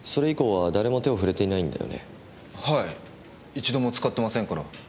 一度も使ってませんから。